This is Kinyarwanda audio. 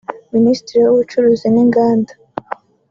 Minisitiri w’ubucuruzi n’Inganda